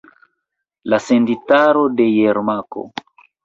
La senditaro de Jermako.